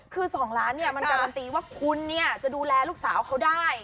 คือ๒ล้านมันการณ์ตีคุณจะดูแลลูกสาวเค้าได้